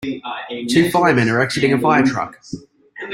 Two firemen are exiting a firetruck.